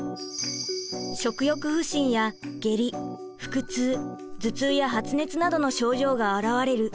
食欲不振や下痢腹痛頭痛や発熱などの症状が表れる